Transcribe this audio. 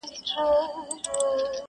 زما رباب کي د یو چا د زلفو تار دی,